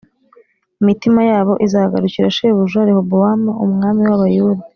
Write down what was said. imitima yabo izagarukira shebuja Rehobowamu umwami w’Abayuda